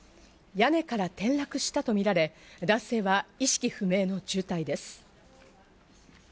屋根から転落したとみられ、男性は意識不明の重体です。